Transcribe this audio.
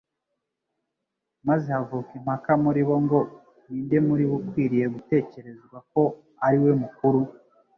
«Maze havuka impaka muri bo ngo : Ninde muri bo ukwiriye gutekerezwa ko ari we mukuru?»